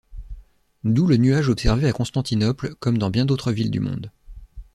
D’où le nuage observé à Constantinople comme dans bien d’autres villes du monde.